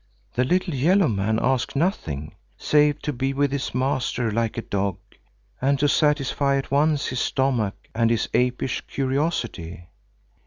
The little yellow man asks nothing save to be with his master like a dog and to satisfy at once his stomach and his apish curiosity.